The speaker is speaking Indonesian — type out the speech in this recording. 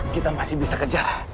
kita masih bisa mengejar